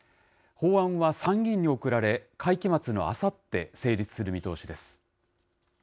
法案は参議院に送られ、会期末のあさって、成立する見通しです。